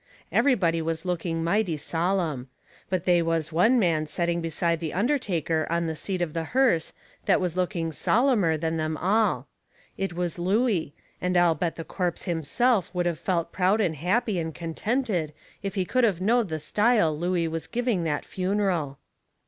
Everybody was looking mighty sollum. But they was one man setting beside the undertaker on the seat of the hearse that was looking sollumer than them all. It was Looey, and I'll bet the corpse himself would of felt proud and happy and contented if he could of knowed the style Looey was giving that funeral.